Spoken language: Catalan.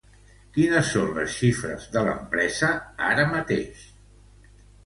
Quines són les xifres de l’empresa, ara mateix?